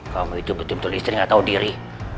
kamu itu betul betul istri gak tahu diri